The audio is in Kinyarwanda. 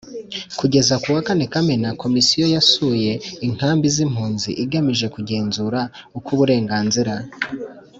kugeza ku wa kane kamena Komisiyo yasuye inkambi z impunzi igamije kugenzura uko uburenganzira